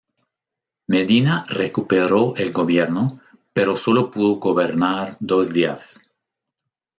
Medina recuperó el gobierno, pero sólo pudo gobernar dos días.